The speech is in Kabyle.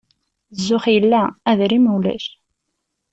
Zzux illa, adrim ulac.